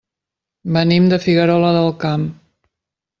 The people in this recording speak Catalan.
Venim de Figuerola del Camp.